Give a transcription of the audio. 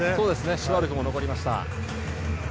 シュワルクも残りました。